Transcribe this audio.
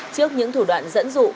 trước những thủ đoạn dẫn dụ